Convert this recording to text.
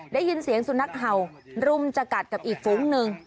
ได้ยินเสียงสุนัขเห่ารุมจะกัดกับอีกฝูงหนึ่ง